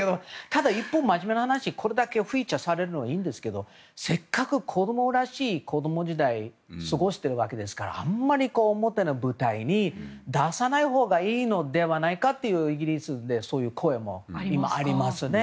ただ一方、真面目な話これだけフィーチャーされるのはいいんですけどせっかく子供らしい子供時代過ごしているわけですからあんまり表の舞台に出さないほうがいいのではないかっていうイギリスでそういう声も今、ありますね。